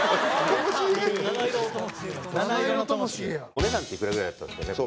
お値段っていくらぐらいだったんですかね？